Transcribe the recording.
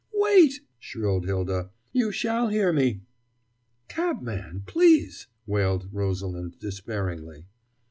"Wait!" shrilled Hylda "you shall hear me!" "Cabman, please !" wailed Rosalind despairingly.